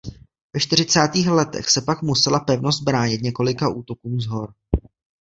Ve čtyřicátých letech se pak musela pevnost bránit několika útokům z hor.